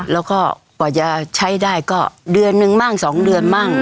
แล้วก็กว่าจะใช้ได้ก็เดือนหนึ่งมั่ง๒เดือนมั่ง